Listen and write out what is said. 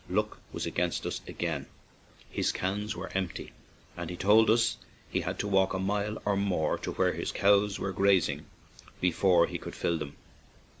Luck was against us again — his cans were empty, and he told us he had to walk a mile or more to where his cows were grazing before he could fill them.